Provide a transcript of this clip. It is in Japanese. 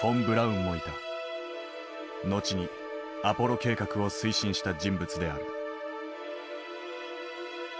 後にアポロ計画を推進した人物である。